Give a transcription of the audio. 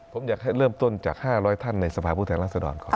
ผมอยากให้เริ่มต้นจาก๕๐๐ท่านในสภาพผู้แทนรัศดรก่อน